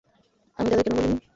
আমি তাদের কেন বলি নি?